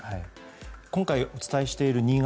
今回、お伝えしている新潟